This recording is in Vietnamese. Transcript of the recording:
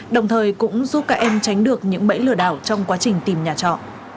đồng thời cũng giúp các em tránh được những bẫy lừa đảo trong quá trình tìm nhà trọ